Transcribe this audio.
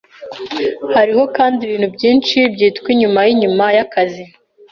Hariho kandi ibintu byinshi byitwa inyuma yinyuma yakazi.